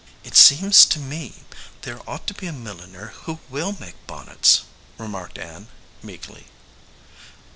"It seems to me there ought to be a milliner who will make bonnets," remarked Ann, meekly.